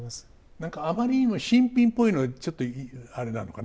何かあまりにも新品ぽいのはちょっとあれなのかな